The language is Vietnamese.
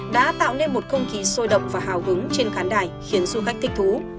đã tạo nên một không khí sôi động và hào hứng trên khán đài khiến du khách thích thú